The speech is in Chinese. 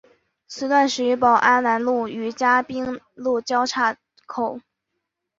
此段始于宝安南路与嘉宾路交叉口。